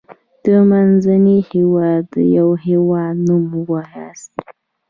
د منځني هيواد دیوه هیواد نوم ووایاست.